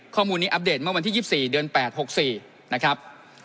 ข้อมูลนี้อัปเดตเมื่อวันที่ยิบสี่เดือนแปดหกสี่นะครับ